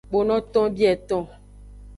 Kponoton bieton.